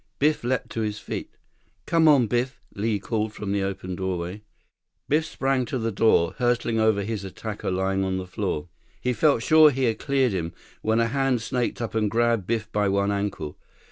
Biff leaped to his feet. "Come on, Biff!" Li called from the open doorway. 42 Biff sprang for the door, hurdling over his attacker lying on the floor. He felt sure he had cleared him when a hand snaked up and grabbed Biff by one ankle.